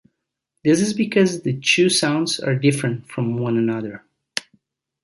This is because the two sounds are different from one another.